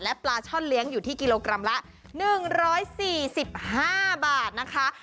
ปลาช่อนเลี้ยงอยู่ที่กิโลกรัมละ๑๔๕บาทนะคะ